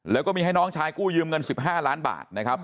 แล้วก็มีให้น้องชายกู้ยืมเงิน๑๕ล้านบาทนะครับ